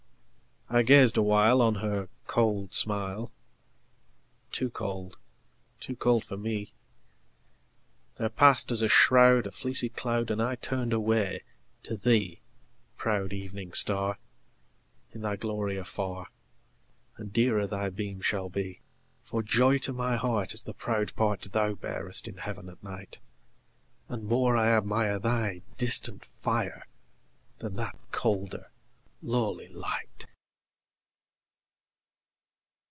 I gazed awhile On her cold smile; Too cold—too cold for me— There passed, as a shroud, A fleecy cloud, And I turned away to thee, Proud Evening Star, In thy glory afar And dearer thy beam shall be; For joy to my heart Is the proud part Thou bearest in Heaven at night, And more I admire Thy distant fire, Than that colder, lowly light.